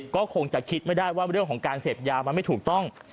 ก็คงจะคิดไม่ได้ว่าเรื่องของการเสพยามันไม่ถูกต้อง